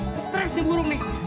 stress nih burung nih